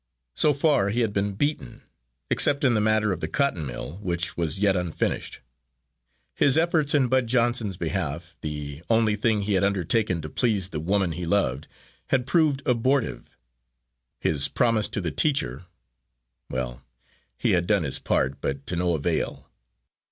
So far he had been beaten, except in the matter of the cotton mill, which was yet unfinished. His efforts in Bud Johnson's behalf the only thing he had undertaken to please the woman he loved, had proved abortive. His promise to the teacher well, he had done his part, but to no avail.